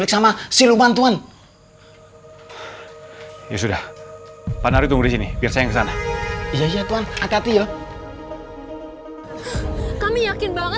sampai jumpa di video selanjutnya